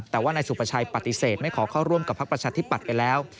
แต่ว่านายสุประชัยปฏิเสธไม่ขอเข้าร่วมกับพักประชาธิปัตย์ไปแล้ว